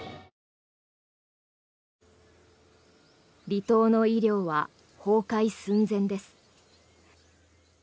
離島の医療は崩壊寸前です。